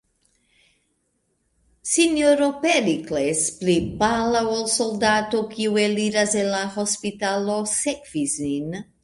S-ro Perikles, pli pala ol soldato, kiu eliras el la hospitalo, sekvis nin.